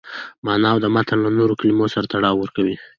مانا او د متن له نورو کلمو سره تړاو ورکوي.